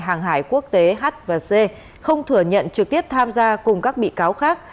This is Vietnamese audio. hàng hải quốc tế h và c không thừa nhận trực tiếp tham gia cùng các bị cáo khác